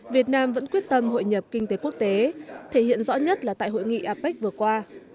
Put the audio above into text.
việt nam vẫn quyết tâm hội nhập kinh tế quốc tế thể hiện rõ nhất là tại hội nghị apec vừa qua